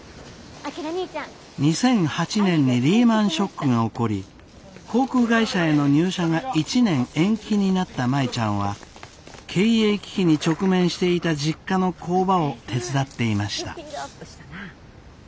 ２００８年にリーマンショックが起こり航空会社への入社が１年延期になった舞ちゃんは経営危機に直面していた実家の工場を手伝っていました。